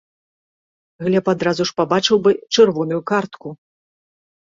Глеб адразу ж пабачыў бы чырвоную картку.